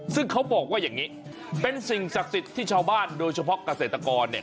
ซึ่งเขาบอกว่าอย่างนี้เป็นสิ่งศักดิ์สิทธิ์ที่ชาวบ้านโดยเฉพาะเกษตรกรเนี่ย